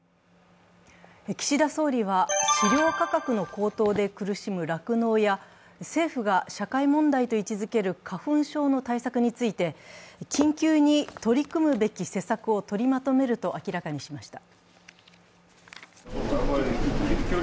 岸田総理は、飼料価格の高騰で苦しむ酪農や政府が社会問題と位置づける花粉症の対策について緊急に取り組むべき施策を取りまとめると明らかにしました。